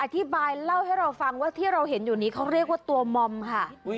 อธิบายเล่าให้เราฟังว่าที่เราเห็นอยู่นี้เขาเรียกว่าตัวมอมค่ะ